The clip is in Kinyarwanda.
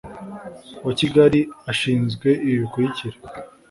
wa kigali ashinzwe ibi bikurikira